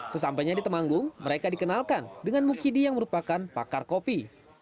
sesampainya di temanggung mereka dikenalkan dengan mukidi yang merupakan pakar kopi